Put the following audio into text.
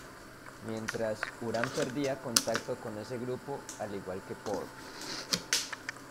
Mientras, Urán perdía contacto con ese grupo al igual que Porte.